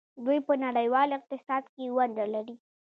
دوی په نړیوال اقتصاد کې ونډه لري.